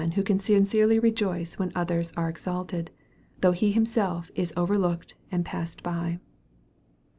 219 can sincerely rejoice when others are exalted, though he himself is overlooked and passed by